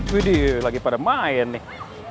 wih dih lagi pada main nih